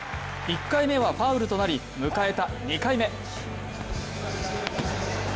１回目はファウルとなり、迎えた２回目。